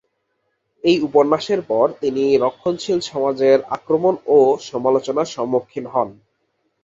এই উপন্যাসের পর তিনি রক্ষণশীল সমাজের আক্রমণ ও সমালোচনার সম্মুখীন হন।